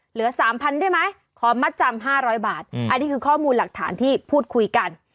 เหลือ๓๐๐๐ได้ไหมขอมัดจำ๕๐๐บาทอันนี้คือข้อมูลหลักฐานที่พูดคุยกัน